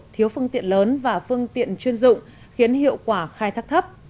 thiếu phương tiện lớn và phương tiện chuyên dụng khiến hiệu quả khai thác thấp